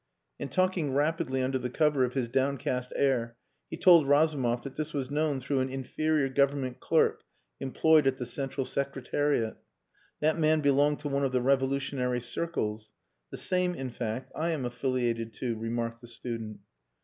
And talking rapidly under the cover of his downcast air, he told Razumov that this was known through an inferior Government clerk employed at the Central Secretariat. That man belonged to one of the revolutionary circles. "The same, in fact, I am affiliated to," remarked the student.